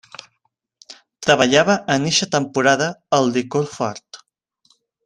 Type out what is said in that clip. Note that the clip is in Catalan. Treballava en eixa temporada el licor fort.